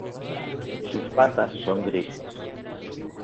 Sus patas son grises.